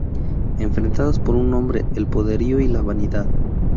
Enfrentadas por un hombre, el poderío y la vanidad.